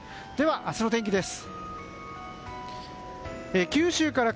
明日の天気です。